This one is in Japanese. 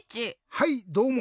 はいどうも！